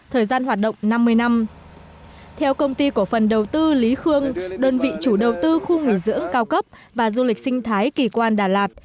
theo công ty cổ phần đầu tư lý khương đơn vị chủ đầu tư khu nghỉ dưỡng cao cấp và du lịch sinh thái kỳ quan đà lạt